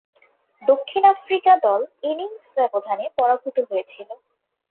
দক্ষিণ আফ্রিকা দল ইনিংস ব্যবধানে পরাভূত হয়েছিল।